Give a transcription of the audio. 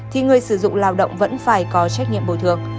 thì người sử dụng lao động vẫn phải có trách nhiệm bồi thường